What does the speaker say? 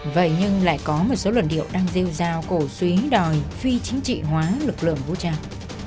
vậy nhưng lại có một số luận điệu đang rêu rao cổ suý đòi phi chính trị hóa lực lượng vũ trang